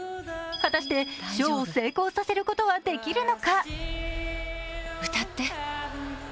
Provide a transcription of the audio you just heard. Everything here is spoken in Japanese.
果たして、ショーを成功させることはできるのか。